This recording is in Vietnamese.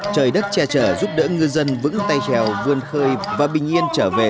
trời đất che chở giúp đỡ ngư dân vững tay trèo vươn khơi và bình yên trở về